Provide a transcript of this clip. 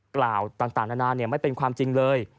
กล่าวต่างนานาไม่เป็นความจริงเลย